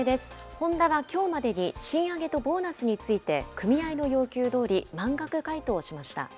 ホンダがきょうまでに賃上げとボーナスについて、組合の要求どおり、満額回答しました。